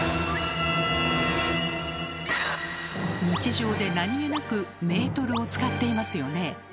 日常で何気なく「メートル」を使っていますよね？